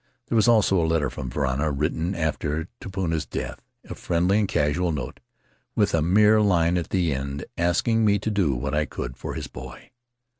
There was also a letter from Varana, written after Tupuna's death — a friendly and casual note, with a mere line at the end, asking me to do what I could for his boy.